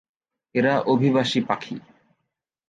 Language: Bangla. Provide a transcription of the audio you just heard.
এরা অভিবাসী পাখি।